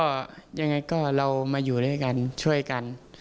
ก็ยังไงก็เรามาอยู่ด้วยกันช่วยกัน